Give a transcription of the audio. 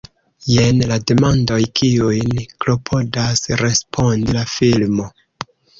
Jen la demandoj kiujn klopodas respondi la filmo.